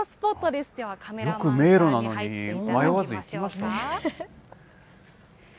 ではカメラマンさんに入っていただきましょうか。